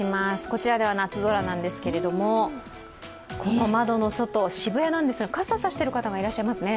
こちらでは夏空なんですけれども、窓の外、渋谷なんですが傘を差している方がいらっしゃいますね。